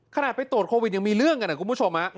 ขนาดไปตรวจโควิดยังมีเรื่องกันนะคุณผู้ชม